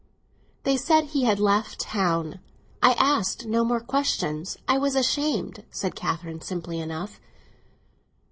"They said he had left town. I asked no more questions; I was ashamed," said Catherine, simply enough.